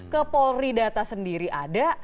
ke polri data sendiri ada